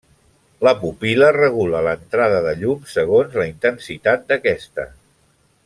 La pupil·la regula l'entrada de llum, segons la intensitat d'aquesta.